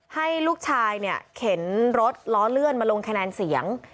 ให้ลูกชายเนี่ยเข็นรถล้อเลื่อนมาลงคะแนนเสียง